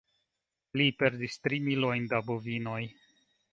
Li perdis tri milojn da bovinoj.